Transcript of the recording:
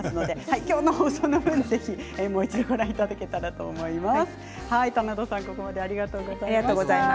今日の放送の分は、もう一度ご覧いただけたらと思います。